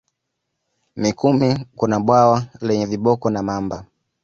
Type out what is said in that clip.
Mikumi kuna bwawa lenye viboko na mamba